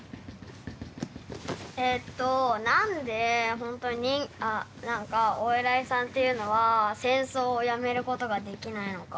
えと何でほんとに何かお偉いさんっていうのは戦争をやめることができないのか？